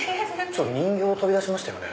人形取り出しましたよね？